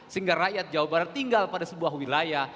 sehingga rakyat jawa barat tinggal pada sebuah wilayah